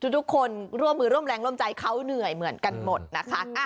ทุกคนร่วมมือร่วมแรงร่วมใจเขาเหนื่อยเหมือนกันหมดนะคะ